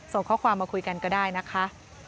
ส่งข้อความมาคุยกันก็ได้นะคะ